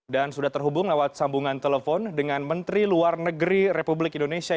dan sudah terhubung lewat sambungan telepon dengan menteri luar negeri republik indonesia